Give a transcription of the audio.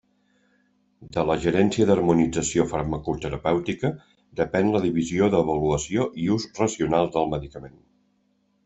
De la Gerència d'Harmonització Farmacoterapèutica depèn la Divisió d'Avaluació i Ús Racional del Medicament.